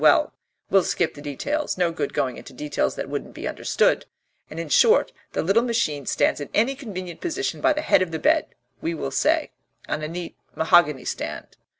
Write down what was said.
well, we'll skip the details, no good going into details that wouldn't be understood and in short the little machine stands in any convenient position by the head of the bed, we will say, on a neat mahogany stand.